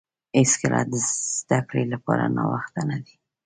هیڅکله د زده کړې لپاره ناوخته نه دی.